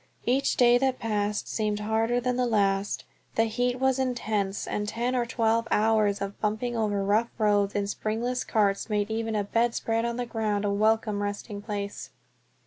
Each day that passed seemed harder than the last, the heat was intense, and the ten or twelve hours of bumping over rough roads in springless carts made even a bed spread on the ground a welcome resting place.